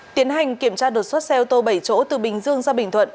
tiến hành kiểm tra đột xuất xe ô tô bảy chỗ từ bình dương ra bình thuận